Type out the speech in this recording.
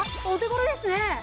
お手頃ですね。